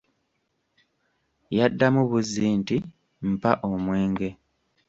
Yaddamu buzzi nti Mpa omwenge.